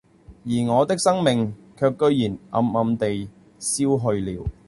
而我的生命卻居然暗暗的消去了，